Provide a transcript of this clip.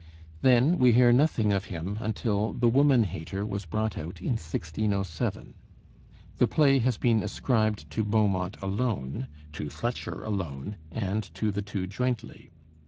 Then we hear nothing of him until 'The Woman Hater' was brought out in 1607. The play has been ascribed to Beaumont alone, to Fletcher alone, and to the two jointly.